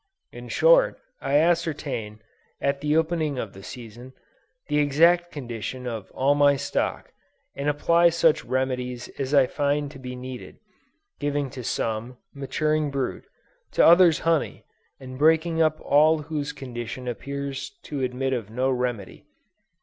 In short, I ascertain, at the opening of the season, the exact condition of all my stock, and apply such remedies as I find to be needed, giving to some, maturing brood, to others honey, and breaking up all whose condition appears to admit of no remedy.